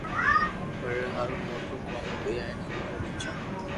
پيڙي ھارون موٽو ڪوم ھوئي ھين امري ٻچو